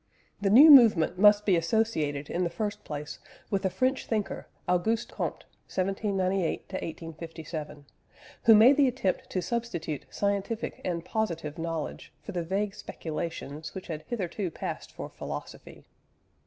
The new movement must be associated in the first place with a French thinker, Auguste Comte (1798 1857), who made the attempt to substitute scientific and positive knowledge for the vague speculations which had hitherto passed for philosophy.